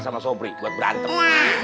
sama sobri buat berantem